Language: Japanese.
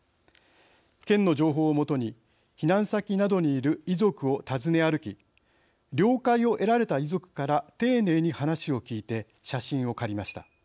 県の情報をもとに避難先などにいる遺族を訪ね歩き了解を得られた遺族から丁寧に話を聞いて写真を借りました。